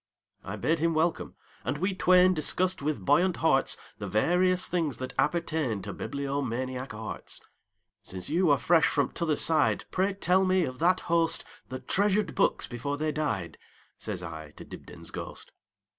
I bade him welcome, and we twainDiscussed with buoyant heartsThe various things that appertainTo bibliomaniac arts."Since you are fresh from t'other side, Pray tell me of that hostThat treasured books before they died,"Says I to Dibdin's ghost.